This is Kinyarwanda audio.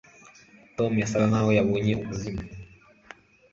Tom yasaga nkaho yabonye umuzimu